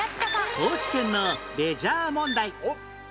高知県のレジャー問題